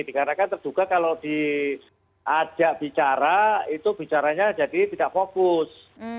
dikarenakan terduga kalau diajak bicara itu bicaranya jadi tidak fokus